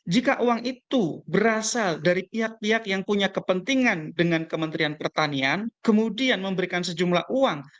jika uang itu berasal dari pihak pihak yang punya kepentingan dengan kementerian pertanian kemudian memberikan sejumlah uang